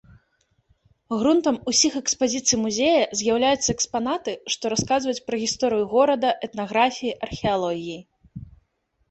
Грунтам усіх экспазіцый музея з'яўляюцца экспанаты, што расказваюць пра гісторыю горада, этнаграфіі, археалогіі.